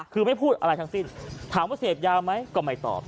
คือไม่พูดอะไรทั้งสิ้นถามว่าเสพยาไหมก็ไม่ตอบ